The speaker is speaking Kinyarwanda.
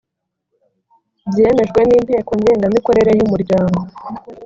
byemejwe n’inteko ngengamikorere y’umuryango